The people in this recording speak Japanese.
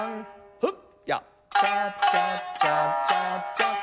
フッヤッチャチャチャチャチャン。